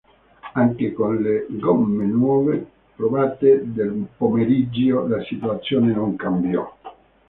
Anche con le gomme nuove, provate nel pomeriggio, la situazione non cambiò.